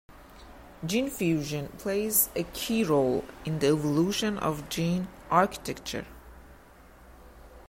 Gene fusion plays a key role in the evolution of gene architecture.